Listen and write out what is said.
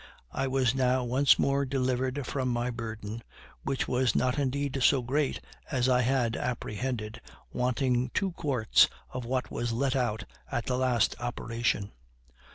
I was now once more delivered from my burden, which was not indeed so great as I had apprehended, wanting two quarts of what was let out at the last operation.